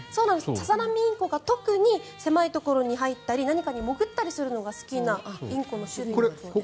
サザナミインコが特に狭いところに入ったり何かに潜ったりするのが好きなインコの種類なんだそうです。